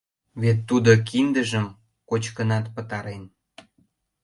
Вет тудо киндыжым кочкынат пытарен.